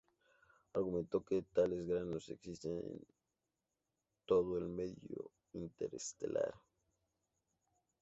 Argumentó que tales granos existen en todo el medio interestelar.